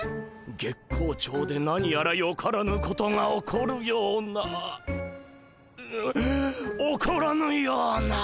月光町で何やらよからぬことが起こるような起こらぬような。